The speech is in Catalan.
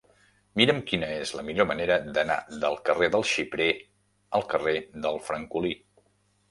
Mira'm quina és la millor manera d'anar del carrer del Xiprer al carrer del Francolí.